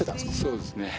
そうですね。